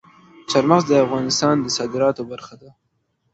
چار مغز د افغانستان د صادراتو برخه ده.